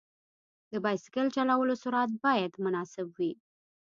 د بایسکل چلولو سرعت باید مناسب وي.